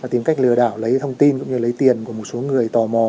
tìm cách lừa đảo lấy thông tin cũng như lấy tiền của một số người tò mò